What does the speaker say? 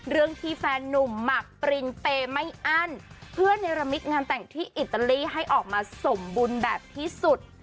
เรื่องที่แฟนนุ่มหมักปรินเปย์ไม่อั้นเพื่อนเนรมิตงานแต่งที่อิตาลีให้ออกมาสมบูรณ์แบบที่สุด